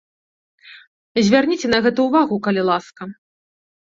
Звярніце на гэта ўвагу, калі ласка.